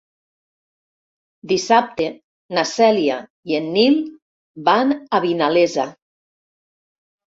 Dissabte na Cèlia i en Nil van a Vinalesa.